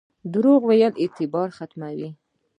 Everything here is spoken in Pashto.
دروغ ویل اعتبار ختموي